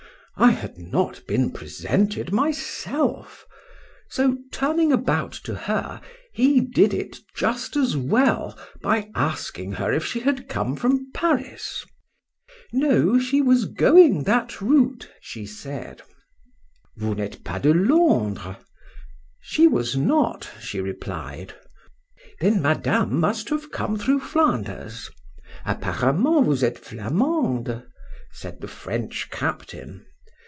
—I had not been presented myself;—so turning about to her, he did it just as well, by asking her if she had come from Paris? No: she was going that route, she said.—Vous n'êtes pas de Londres?—She was not, she replied.—Then Madame must have come through Flanders.—Apparemment vous êtes Flammande? said the French captain.